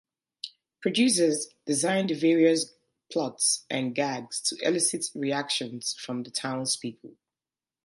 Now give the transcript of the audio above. Producers designed the various plots and gags to elicit reactions from the townspeople.